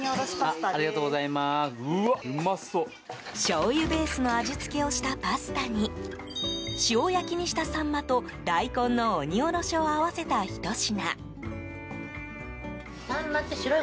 しょうゆベースの味付けをしたパスタに塩焼きにしたサンマと大根の鬼おろしを合わせたひと品。